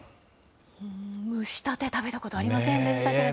蒸したて、食べたことありませんでしたけど。